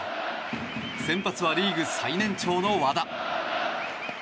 先発はリーグ最年長の和田。